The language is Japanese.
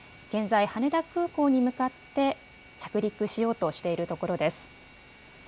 現在、羽田空港に向かって着陸しようとしているところです。